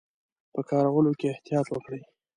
په کارولو کې یې احتیاط وکړي.